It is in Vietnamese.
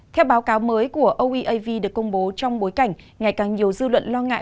theo báo cáo mới của oev được công bố trong bối cảnh ngày càng nhiều dư luận lo ngại